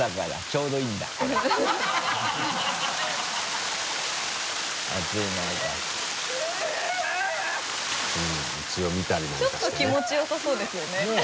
ちょっと気持ちよさそうですよねねぇ？